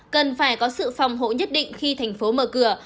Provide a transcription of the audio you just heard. cần phải có sự phòng hộ nhất định khi thành phố mở cửa